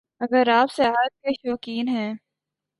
اگر آپ سیاحت کے شوقین ہیں